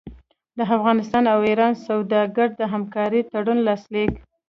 د افغانستان او ایران سوداګرو د همکارۍ تړون لاسلیک